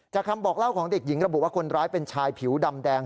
คำบอกเล่าของเด็กหญิงระบุว่าคนร้ายเป็นชายผิวดำแดง